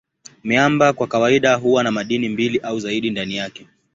Miamba kwa kawaida huwa na madini mbili au zaidi ndani yake.